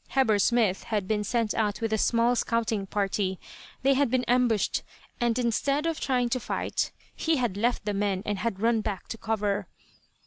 Heber Smith had been sent out with a small scouting party. They had been ambushed, and instead of trying to fight, he had left the men and had run back to cover.